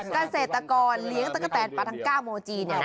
เกษตรกรเลี้ยงตะกะแตนปลาทั้ง๙โมจีน